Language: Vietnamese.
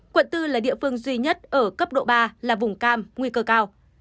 quận bốn là địa phương duy nhất ở cấp độ ba là vùng cam nguy cơ cao